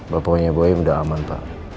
bapaknya boy udah aman pak